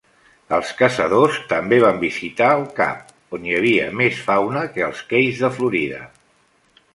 Els caçadors també van visitar el cap, on hi havia més fauna que als Keys de Florida.